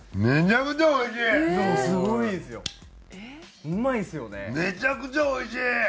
めちゃくちゃ美味しい！